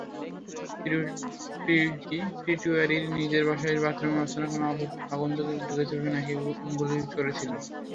প্রিটোরিয়ার নিজের বাসার বাথরুমে অচেনা কোনো আগন্তুক ঢুকেছে ভেবেই নাকি গুলি করেছিলেন।